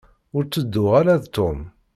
Ur tedduɣ ara d Tom.